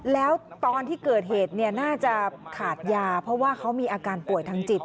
แล้วตอนที่เกิดเหตุน่าจะขาดยาเพราะว่าเขามีอาการป่วยทางจิต